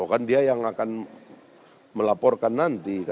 kan dia yang akan melaporkan nanti